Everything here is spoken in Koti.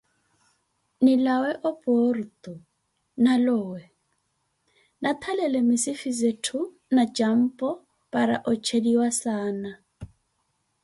nilawe opoorto, na lowe, naatthalele misifi zettho na jampo para ojeliwa saana.